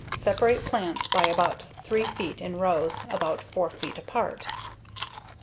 Separate plants by about 3 feet in rows about 4 feet apart.